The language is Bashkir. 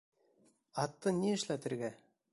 Атты ни эшләтергә?